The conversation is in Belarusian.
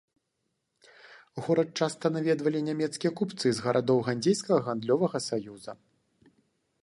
Горад часта наведвалі нямецкія купцы з гарадоў ганзейскага гандлёвага саюза.